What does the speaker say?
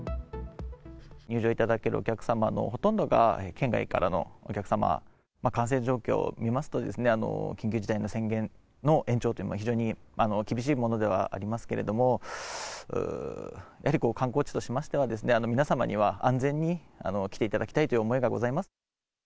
入場いただけるお客様のほとんどが、県外からのお客様、感染状況を見ますと、緊急事態宣言の延長というのは、非常に厳しいものではありますけれども、やはり観光地としましては、皆様には、安全に来ていただきたいという思いがございます。